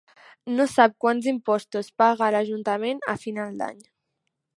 No sap quants impostos paga a l'Ajuntament a final d'any.